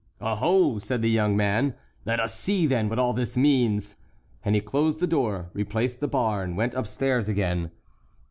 "Oho!" said the young man; "let us see, then, what all this means." And he closed the door, replaced the bar, and went upstairs again.